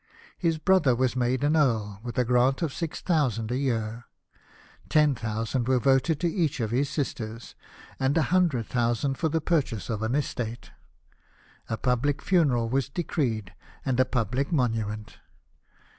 His brother was made an earl, with a grant of £6,000 a year ; £10,000 were voted to each of his sisters ; and £100,000 for the purchase of an estate. A public funeral Avas decreed, and a public monument.